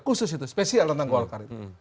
khusus itu spesial tentang golkar itu